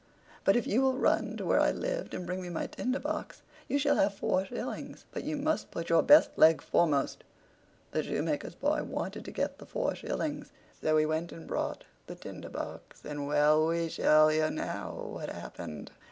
But if you will run to where I lived and bring me my Tinder box, you shall have four shillings: but you must put your best leg foremost." The shoemaker's boy wanted to get the four shillings, so he went and brought the Tinder box, and—well, we shall hear now what happened.